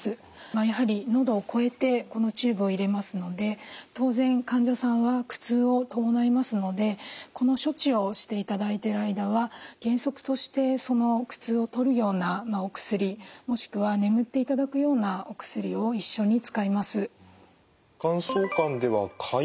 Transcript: やはり喉を越えてこのチューブを入れますので当然患者さんは苦痛を伴いますのでこの処置をしていただいている間は原則としてその苦痛を取るようなお薬もしくは眠っていただくようなお薬を一緒に使います。